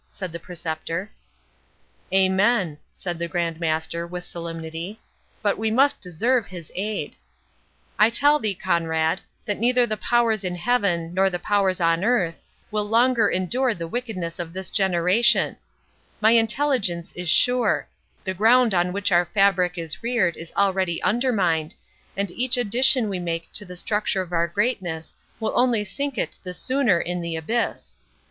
said the Preceptor. "Amen," said the Grand Master, with solemnity, "but we must deserve his aid. I tell thee, Conrade, that neither the powers in Heaven, nor the powers on earth, will longer endure the wickedness of this generation—My intelligence is sure—the ground on which our fabric is reared is already undermined, and each addition we make to the structure of our greatness will only sink it the sooner in the abyss.